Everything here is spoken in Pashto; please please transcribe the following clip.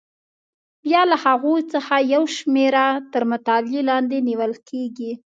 بیا له هغو څخه یوه شمېره تر مطالعې لاندې نیول کېږي.